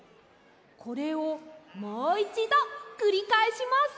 これをもう１どくりかえします！